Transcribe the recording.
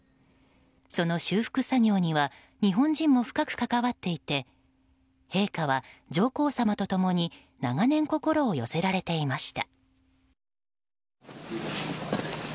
その修復作業には日本人も深く関わっていて陛下は上皇さまと共に長年、心を寄せられていました。